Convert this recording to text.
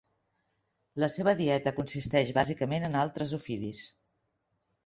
La seva dieta consisteix bàsicament en altres ofidis.